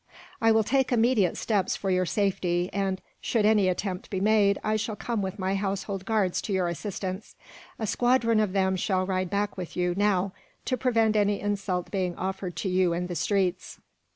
"I will take immediate steps for your safety and, should any attempt be made, I shall come with my household guards to your assistance. A squadron of them shall ride back with you, now, to prevent any insult being offered to you in the streets."